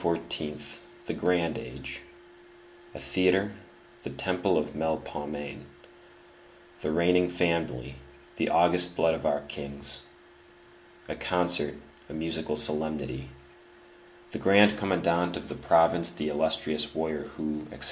the grand age; a theatre, the temple of Melpomene; the reigning family, the august blood of our kings; a concert, a musical solemnity; the General Commandant of the province, _the illustrious warrior, who, etc.